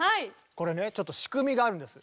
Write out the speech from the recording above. これねちょっと仕組みがあるんです。